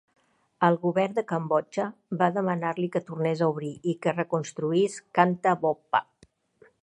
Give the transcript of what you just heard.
El govern de Cambodja va demanar-li que tornes a obrir i que reconstruís Kantha Bopha.